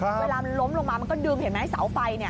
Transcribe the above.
เวลามันล้มลงมามันก็ดึงเห็นไหมเสาไฟเนี่ย